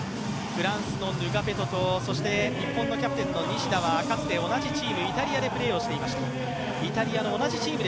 フランスのヌガペトと日本の西田はかつて同じチーム、イタリアでプレーをしていました。